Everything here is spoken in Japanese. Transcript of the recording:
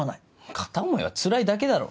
片思いはつらいだけだろ？